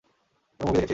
কোন মুভি দেখেছিস?